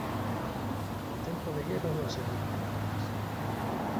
En tempo de guerra non se limpan armas.